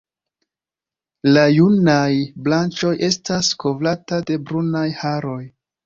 La junaj branĉoj estas kovrata de brunaj haroj.